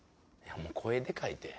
声でかいって。